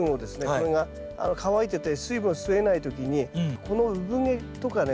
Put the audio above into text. これが乾いてて水分を吸えない時にこのうぶ毛とかね